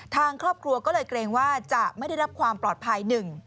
ทางครอบครัวก็เลยเกรงว่าจะไม่ได้รับความปลอดภัยหนึ่ง